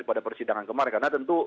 pada persidangan kemarin karena tentu